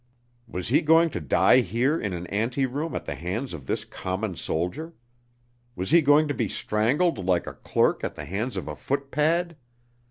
Was he going to die here in an anteroom at the hands of this common soldier? Was he going to be strangled like a clerk at the hands of a footpad?